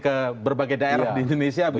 ke berbagai daerah di indonesia